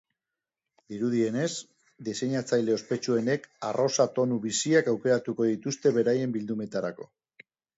Dirudienez, diseinatzaile ospetsuenek arrosa tonu biziak aukeratuko dituzte beraien bildumetarako.